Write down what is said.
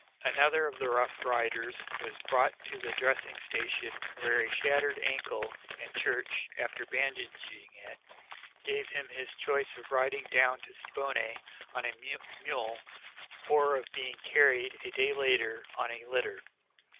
Another of the Rough Riders was brought to the dressing station with a shattered ankle, and Church, after bandaging it, gave him his choice of riding down to Siboney on a mule, or of being carried, a day later, on a litter.